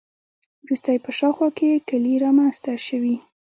وروسته یې په شاوخوا کې کلي رامنځته شوي.